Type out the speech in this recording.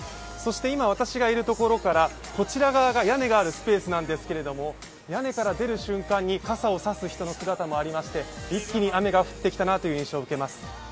今私がいるところからこちら側が屋根があるスペースなんですけど屋根から出る瞬間に傘を差す人の姿もありまして、一気に雨が降ってきたなという印象を受けます。